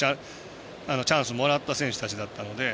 チャンスもらった選手たちだったので。